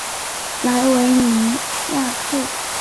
莱维尼亚克。